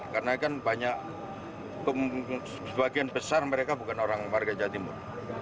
karena kan banyak sebagian besar mereka bukan warga jawa timur